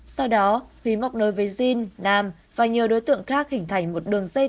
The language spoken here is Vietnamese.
sau đó huy mọc nối với dinh nam và nhiều đối tượng khác hình thành một đường dân